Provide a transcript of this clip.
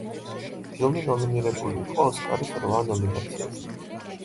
ფილმი ნომინირებული იყო ოსკარის რვა ნომინაციაზე.